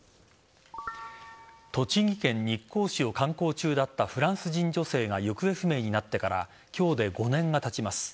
栃木県日光市を観光中だったフランス人女性が行方不明になってから今日で５年がたちます。